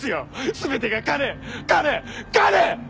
全てが金金金！